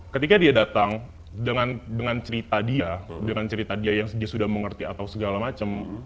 ketika dia datang dengan cerita dia dengan cerita dia yang dia sudah mengerti atau segala macam